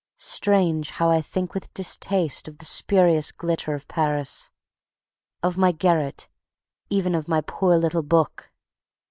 Strange how I think with distaste of the spurious glitter of Paris, of my garret, even of my poor little book.